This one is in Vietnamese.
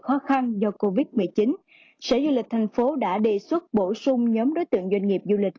khó khăn do covid một mươi chín sở du lịch thành phố đã đề xuất bổ sung nhóm đối tượng doanh nghiệp du lịch